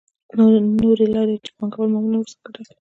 نورې لارې چې پانګوال معمولاً ورڅخه ګټه اخلي